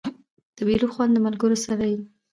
د مېلو خوند د ملګرو سره يي.